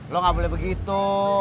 lo gak boleh begitu